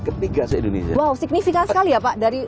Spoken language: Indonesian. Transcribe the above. ketiga se indonesia wow signifikan sekali ya pak dari